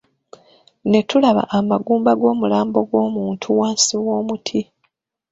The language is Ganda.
Ne tulaba amagumba g'omulambo gw'omuntu wansi w'omuti.